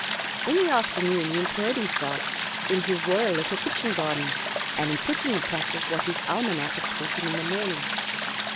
In the afternoon he employed himself in his royal little kitchen garden, and in putting in practice what his almanac had taught him in the morning.